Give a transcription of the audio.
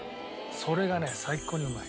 それがね最高にうまい。